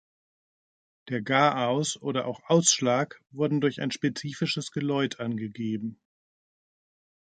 Der "Garaus" oder auch "Ausschlag" wurden durch ein spezifisches Geläut angegeben.